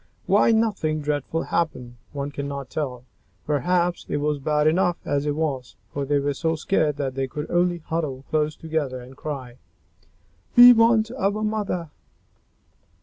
Why nothing dreadful happened, one cannot tell. Perhaps it was bad enough as it was, for they were so scared that they could only huddle close together and cry, "We want our mother."